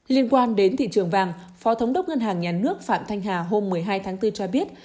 liên quan đến thị trường vàng phó thống đốc ngân hàng nhà nước phạm thanh hà hôm một mươi hai tháng bốn cho biết